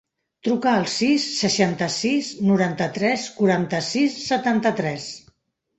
Truca al sis, seixanta-sis, noranta-tres, quaranta-sis, setanta-tres.